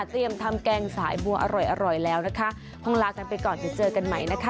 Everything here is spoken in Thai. ทำแกงสายบัวอร่อยอร่อยแล้วนะคะคงลากันไปก่อนเดี๋ยวเจอกันใหม่นะคะ